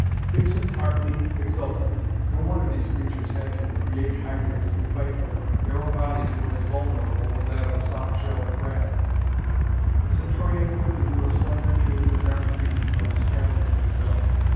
Dixon's heart leaped exultantly. No wonder these creatures had to create hybrids to fight for them. Their own bodies were as vulnerable as that of a soft shelled crab! The Centaurian quickly drew a slender tube of dark green from a scabbard in its belt.